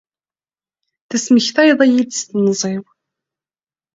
Tesmektaye?-iyi-d s tem?i-w.